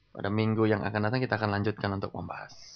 pada minggu yang akan datang kita akan lanjutkan untuk membahas